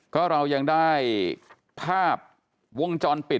ก็เรายังได้ภาพวงจรปิด